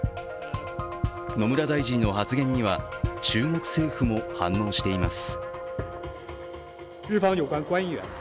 野村大臣の発言には、中国政府も反応しています。